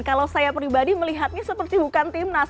kalau saya pribadi melihatnya seperti bukan tim nas